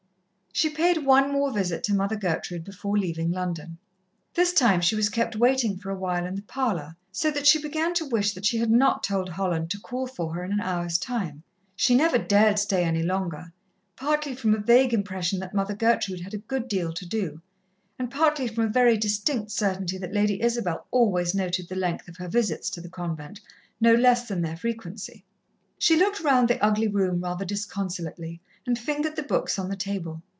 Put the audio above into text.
She paid one more visit to Mother Gertrude before leaving London. This time she was kept waiting for a while in the parlour, so that she began to wish that she had not told Holland to call for her in an hour's time. She never dared stay any longer, partly from a vague impression that Mother Gertrude had a good deal to do, and partly from a very distinct certainty that Lady Isabel always noted the length of her visits to the convent, no less than their frequency. She looked round the ugly room rather disconsolately and fingered the books on the table.